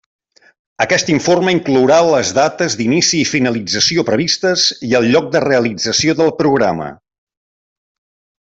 Aquest informe inclourà les dates d'inici i finalització previstes i el lloc de realització del programa.